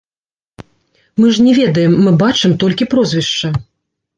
Мы ж не ведаем, мы бачым толькі прозвішча.